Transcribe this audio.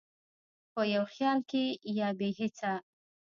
په یو خیال کې یا بې هېڅه،